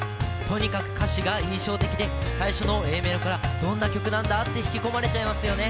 とにかく歌詞が印象的で最初のＡメロからどんな曲なんだと引き込まれちゃいますよね。